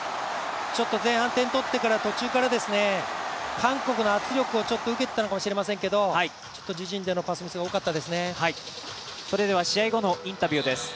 前半、点を取ってから途中から韓国のプレッシャーを受けていましたけど自陣でのパスミスが多かったですね。